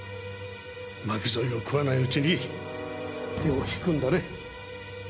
巻き添えを食わないうちに手を引くんだね。